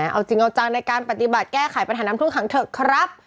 เอาจริงเอาจังในการปฏิบัติแก้ไขปัญหาน้ำท่วมขังเถอะครับ